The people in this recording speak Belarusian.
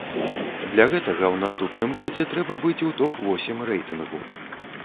Для гэтага ў наступным годзе трэба быць у топ-восем рэйтынгу.